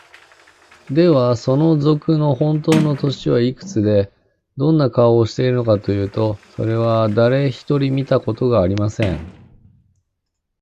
では、その賊のほんとうの年はいくつで、どんな顔をしているのかというと、それは、だれひとり見たことがありません。